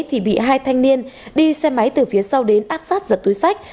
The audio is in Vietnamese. thì bị hai thanh niên đi xe máy từ phía sau đến áp sát giật túi sách